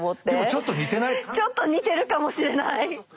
ちょっと似てるかもしれない。